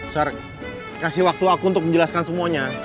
sorr kasih waktu aku untuk menjelaskan semuanya